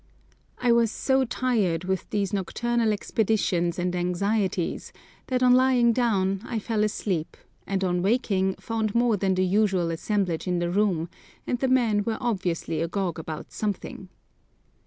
I was so tired with these nocturnal expeditions and anxieties that on lying down I fell asleep, and on waking found more than the usual assemblage in the room, and the men were obviously agog about something.